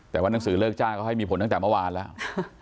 แต่ว่าหนังสือเลิกจ้างก็ให้มีผลตั้งแต่เมื่อวานแล้ว